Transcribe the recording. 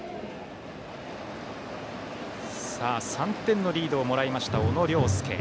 ３点のリードをもらいました小野涼介。